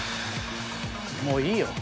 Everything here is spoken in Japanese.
もういいよ。